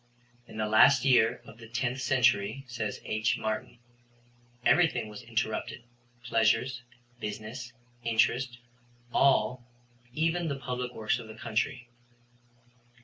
In the last year of the 10th century, says H. Martin, everything was interrupted pleasures, business, interest, all, even the public works of the country.